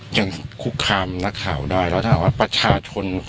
ยังคุกคามนักข่าวได้แล้วถ้าหากว่าประชาชน